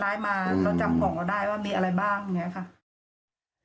ร้ายมาเขาจำของเราได้ว่ามีอะไรบ้างอย่างนี้ค่ะ